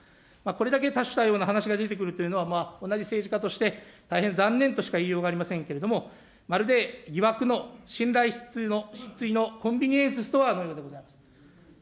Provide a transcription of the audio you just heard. これだけ多種多様な話が出てくるというのは同じ政治家として大変残念としか言いようがありませんけれども、まるで疑惑の信頼失墜のコンビニエンスストアのようでございます。